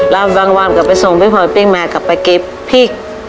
แล้วบางวันก็ไปส่งพี่พลอยปิ้งมากลับไปเก็บพริก